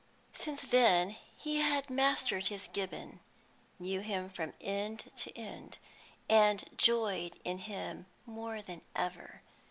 Since then he had mastered his Gibbon, knew him from end to end, and joyed in him more than ever.